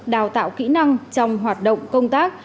đào tạo kỹ năng trong hoạt động công tác